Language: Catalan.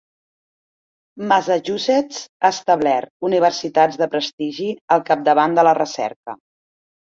Massachusetts ha establert universitats de prestigi al capdavant de la recerca.